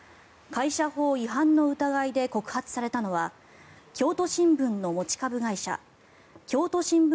会社法違反の疑いで告発されたのは京都新聞の持ち株会社京都新聞